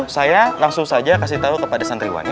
saya langsung saja kasih tahu kepada santriwan ya